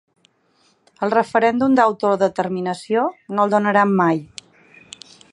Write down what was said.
El referèndum d’autodeterminació, no el donaran mai.